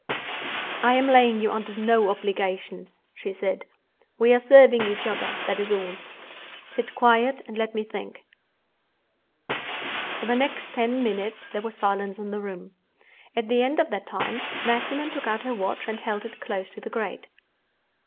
"I am laying you under no obligation," she said. "We are serving each other—that is all. Sit quiet, and let me think." For the next ten minutes there was silence in the room. At the end of that time Magdalen took out her watch and held it close to the grate.